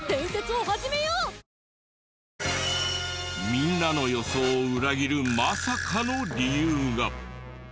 みんなの予想を裏切るまさかの理由が。